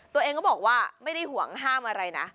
ตัวเองก็บอกว่าไม่ได้ห่วงห้ามอะไรนะ